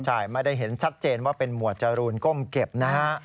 ใช่ไม่ได้เห็นชัดเจนว่าเป็นหมวดจรูนก้มเก็บนะฮะ